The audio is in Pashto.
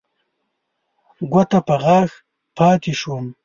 ګوته په غاښ پاتې شوم.